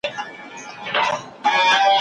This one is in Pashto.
حضوري زده کړه زده کوونکي د ملګرو سره همکاري کول.